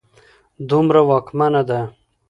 دومره واکمنه ده